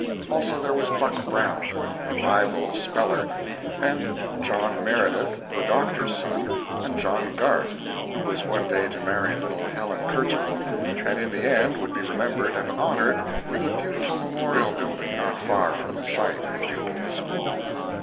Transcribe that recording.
Also there was Buck Brown, a rival speller, and John Meredith, the doctor's son, and John Garth, who was one day to marry little Helen Kercheval, and in the end would be remembered and honored with a beautiful memorial building not far from the site of the old school.